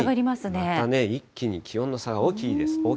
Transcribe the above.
またね、一気に、気温の差が大きいです。